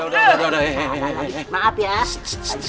udah sudah materi